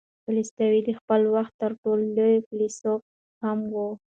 تولستوی د خپل وخت تر ټولو لوی فیلسوف هم و.